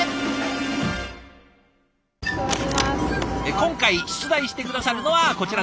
今回出題して下さるのはこちらの方。